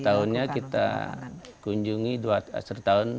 setahunnya kita kunjungi dua kali setahun